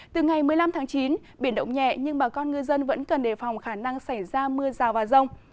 từ ngày một mươi năm tháng chín biển động nhẹ nhưng bà con ngư dân vẫn cần đề phòng khả năng xảy ra mưa rào và rông